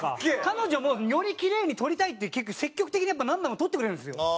彼女もよりキレイに撮りたいって積極的にやっぱ何枚も撮ってくれるんですよ。